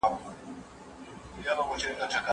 رسول الله هم د خپلو لوڼو په مهرونو کي اساني کړې ده.